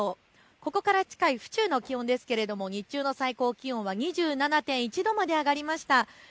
ここから近い府中の気温ですが日中の最高気温は２７．１度まで上がりました。